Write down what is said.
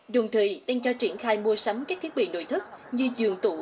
đường thị đang cho triển khai mua sắm các thiết bị nội thức như giường tủ